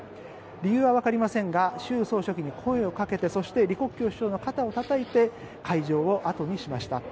理由はわかりませんが習総書記に声をかけてそして李克強首相の肩をたたいて会場を後にしました。